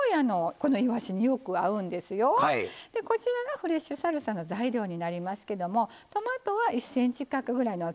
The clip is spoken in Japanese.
こちらがフレッシュサルサの材料になりますけどもトマトは１ｃｍ角ぐらいの大きさに切ってます。